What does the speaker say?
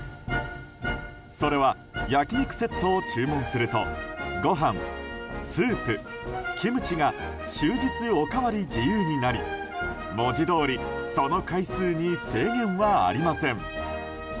それは焼き肉セットを注文するとご飯、スープ、キムチが終日おかわり自由になり文字どおりその回数に制限はありません。